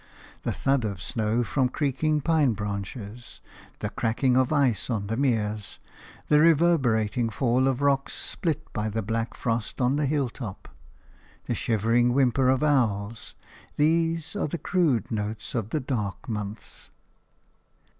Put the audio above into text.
The thud of snow from creaking pine branches, the cracking of ice on the meres, the reverberating fall of rocks split by the black frost on the hilltop, the shivering whimper of owls – these are the crude notes of the dark months.